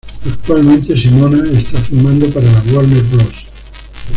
Actualmente, Simona, está filmando para la Warner Bros.